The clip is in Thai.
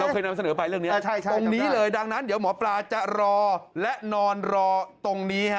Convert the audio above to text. เคยนำเสนอไปเรื่องนี้ตรงนี้เลยดังนั้นเดี๋ยวหมอปลาจะรอและนอนรอตรงนี้ฮะ